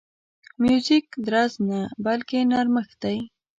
موزیک درز نه، بلکې نرمښت دی.